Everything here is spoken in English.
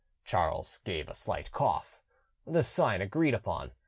Charles gave a slight cough, the sign agreed upon.